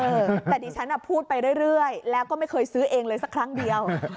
เออแต่ดิฉันพูดไปเรื่อยแล้วก็ไม่เคยซื้อเองเลยสักครั้งเดียว